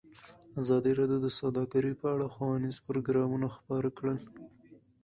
ازادي راډیو د سوداګري په اړه ښوونیز پروګرامونه خپاره کړي.